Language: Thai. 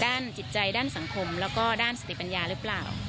จิตใจด้านสังคมแล้วก็ด้านสติปัญญาหรือเปล่า